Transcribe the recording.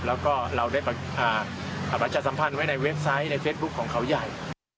แล้วก็เราได้ประชาสัมพันธ์ไว้ในเว็บไซต์ในเฟซบุ๊คของเขาใหญ่